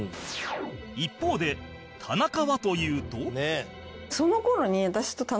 一方で田中はというと